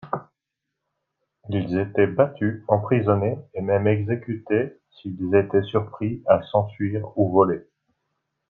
Ils étaient battus, emprisonnés et même exécutés s’ils étaient surpris à s’enfuir ou voler.